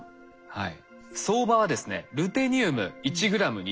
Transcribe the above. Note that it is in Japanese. はい。